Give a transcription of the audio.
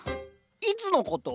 いつのこと？